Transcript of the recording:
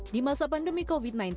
di masa pandemi covid sembilan belas